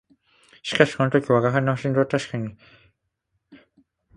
しかしこの時吾輩の心臓はたしかに平時よりも烈しく鼓動しておった